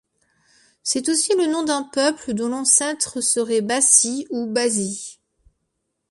C'est aussi le nom d'un peuple dont l'ancêtre serait Bassi ou Basi.